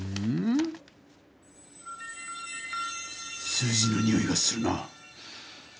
数字のにおいがするな。